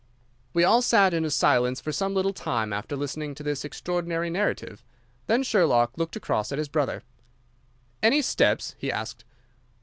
We all sat in silence for some little time after listening to this extraordinary narrative. Then Sherlock looked across at his brother. "Any steps?" he asked.